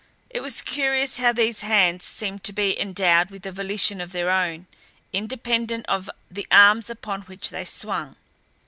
It was curious how these hands seemed to be endowed with a volition of their own, independent of the arms upon which they swung.